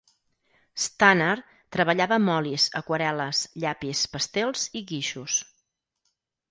Stannard treballava amb olis, aquarel·les, llapis, pastels i guixos.